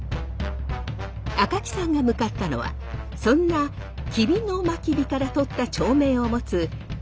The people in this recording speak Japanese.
赤木さんが向かったのはそんな吉備真備からとった町名を持つ倉敷市真備町。